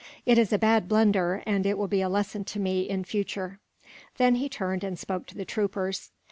It is a bad blunder, and it will be a lesson to me, in future." Then he turned, and spoke to the troopers.